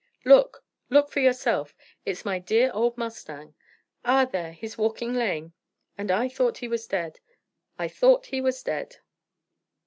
"Look! Look for yourself; it's my dear old mustang. Ah! there! he's walking lame. And I thought he was dead I thought he was dead!"